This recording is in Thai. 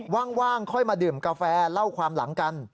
ว่างค่อยมาดื่มกาแฟเล่าความหลังกัน